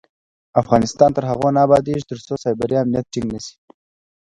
افغانستان تر هغو نه ابادیږي، ترڅو سایبري امنیت ټینګ نشي.